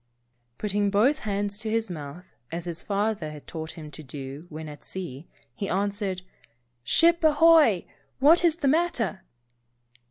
Putting both hands to his mouth, as his father had taught him 2IO Saved. to do when at sea, he answered :" Ship ahoy ! What is the matter?"